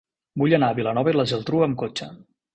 Vull anar a Vilanova i la Geltrú amb cotxe.